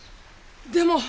でも。